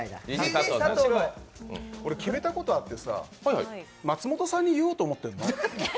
俺、決めたことあってさ松本さんに言おうと思ってんの。